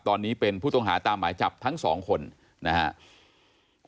ตอนนี้เป็นผู้ต้องหาตามหมายจับทั้งสองคนนะครับ